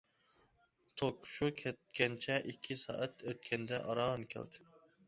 توك شۇ كەتكەنچە ئىككى سائەت ئۆتكەندە ئاران كەلدى.